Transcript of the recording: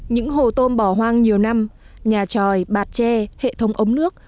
những hồ tôm bỏ hoang nhiều năm nhà tròi bạt tre hệ thống ống nước